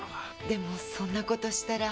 でもそんな事したら。